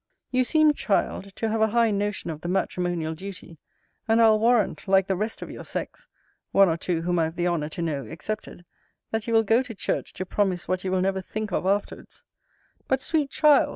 You seem, child, to have a high notion of the matrimonial duty; and I'll warrant, like the rest of your sex, (one or two, whom I have the honour to know, excepted,) that you will go to church to promise what you will never think of afterwards. But, sweet child!